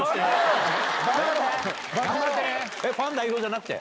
ファン代表じゃなくて？